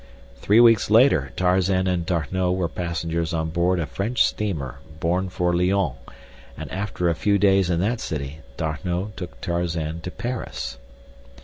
Three weeks later Tarzan and D'Arnot were passengers on board a French steamer bound for Lyons, and after a few days in that city D'Arnot took Tarzan to Paris.